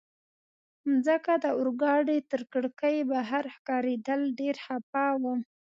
مځکه د اورګاډي تر کړکۍ بهر ښکارېدل، ډېر خفه وم.